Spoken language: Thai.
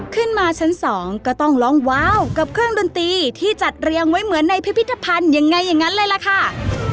ขึ้นมาชั้นสองก็ต้องร้องว้าวกับเครื่องดนตรีที่จัดเรียงไว้เหมือนในพิพิธภัณฑ์ยังไงอย่างนั้นเลยล่ะค่ะ